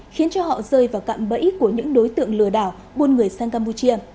khiến cho họ rơi vào cạm bẫy của những đối tượng lừa đảo buôn người sang campuchia